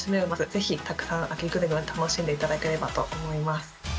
ぜひたくさん秋グルメを楽しんでいただければと思います。